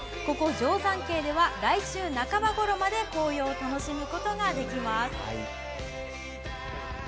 定山渓では来週半ばごろまで紅葉を楽しむことができます。